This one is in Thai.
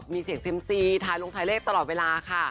มีเสียงเซ็มซีถ่ายลงท้ายเลขตลอดเวลาค่ะ